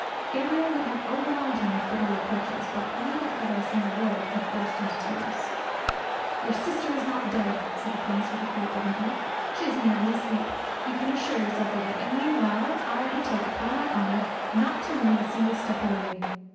Gabriel would have overwhelmed him with Bitter reproaches, but, unable to utter a single word, he burst into tears. "Your sifter is not dead," said the prince, with cold dignity; "she is merely asleep. You can assure yourself of it, and meanwhile I undertake, upon my Honour, not to move a single step away."